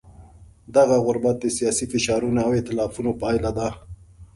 دغه غربت د سیاسي فشارونو او ایتلافونو پایله ده.